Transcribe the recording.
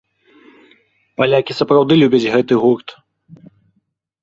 Палякі сапраўды любяць гэты гурт.